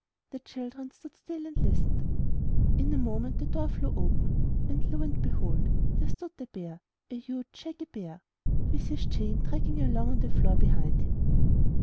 The children stood still and listened. *Tn a moment the door flew open, and lo and behold ! there stood the bear, — the huge, shaggy bear — with his chain dragging along on the floor behind him.